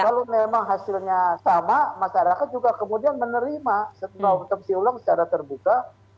kalau memang hasilnya sama masyarakat juga kemudian menerima otopsi ulang secara terbuka